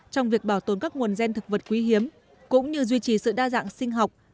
trong việc bảo tồn các nguồn gen thực vật quý hiếm cũng như duy trì sự đa dạng sinh học